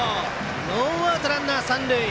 ノーアウト、ランナー、三塁。